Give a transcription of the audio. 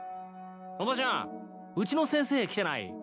おばちゃんうちの先生来てない？